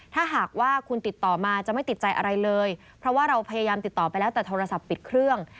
ถ้าหากว่าคุณติดต่อมาจะไม่ติดใจอะไรเลยเพราะว่าเราพยายามติดต่อไปแล้วแต่โทรศัพท์ปิดเครื่อง